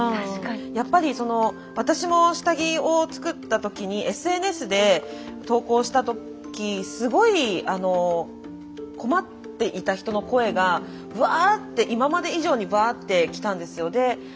やっぱり私も下着を作った時にＳＮＳで投稿した時すごい困っていた人の声がぶわって今まで以上にぶわって来たんですよ。